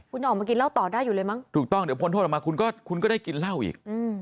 คุณจะออกมากินเหล้าต่อได้อยู่เลยมั้งถูกต้องเดี๋ยวพ้นโทษออกมาคุณก็คุณก็ได้กินเหล้าอีก